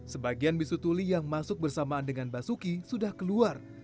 sebagian bisu tuli yang masuk bersamaan dengan basuki sudah keluar